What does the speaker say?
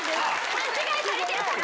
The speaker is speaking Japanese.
勘違いされてるから！